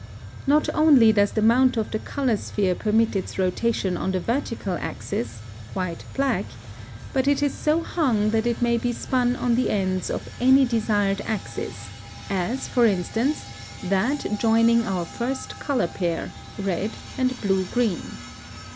+ (122) Not only does the mount of the color sphere permit its rotation on the vertical axis (white black), but it is so hung that it may be spun on the ends of any desired axis, as, for instance, that joining our first color pair, red and blue green.